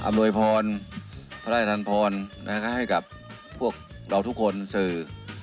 อำนวยพรพระอาจารย์ทันพรให้กับพวกเราทุกคนสื่อ